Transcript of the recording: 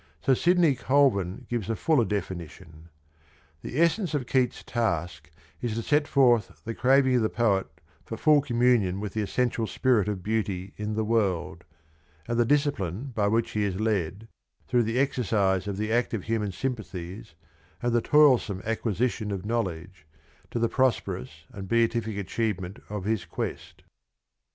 Sir Sidney Colvin gives a fuller definition^ :" The essence of Keats's task is to set fojth the craving of t he poet for full comm unionwith the essential spirit of Beauty in the world, and the discipline by which he is led, throug h the exercise of the active human sympathi es and the toilsome a cquisition of kno wledge, to the prosperous and beatific achievement of his^uest."''